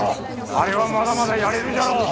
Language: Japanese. あれはまだまだやれるじゃろう！